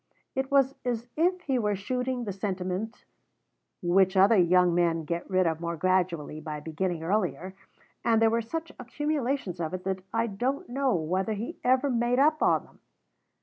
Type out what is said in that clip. It was as if he were shooting the sentiment which other young men get rid of more gradually by beginning earlier, and there were such accumulations of it that I don't know whether he ever made up on them.